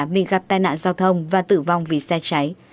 bị gặp tai nạn giao thông và tử vong vì xe cháy